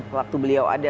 waktu beliau ada